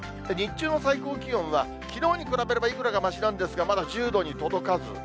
日中の最高気温は、きのうに比べればいくらかましなんですが、まだ１０度に届かず。